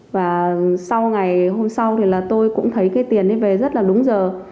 và sau ngày hôm sau thì là tôi cũng thấy cái tiền ấy về rất là đúng giờ